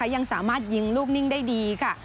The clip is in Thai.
ยังสามารถยิงลูกนิ่งได้ดีค่ะ